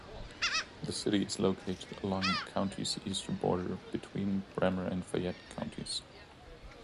The city is located along the county's eastern border, between Bremer and Fayette counties.